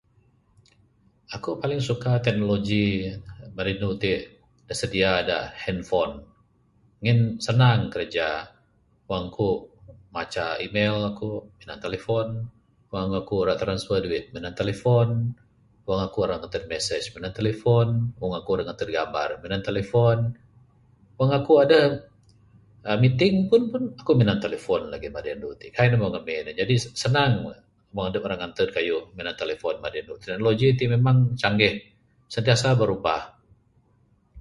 Aku paling suka teknologi da duweh ti da sedia da handphone, ngin sanang kraja. Wang ku maca email ku minan telephone, wang ku rak transfer duit minan talephone, wang ku ira nganted messages minan talephone, wang aku ra nganted gamar mina talephone, wang aku adeh meeting pun minan taplephone mah madi anu itin ne kaik meng ngamin. Jadi sanang wang adep rak nganted kayuh minan talephone. Technologi ti memang canggih sentiasa berubah.